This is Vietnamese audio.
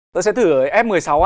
tôi sẽ thử f một mươi sáu